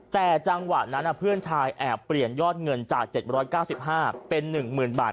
แต่จังหวะนั้นเพื่อนชายแอบเปลี่ยนยอดเงินจาก๗๙๕เป็น๑๐๐๐บาท